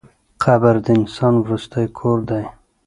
قبر د انسان وروستی کور دی.